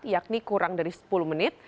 yakni kurang dari sepuluh menit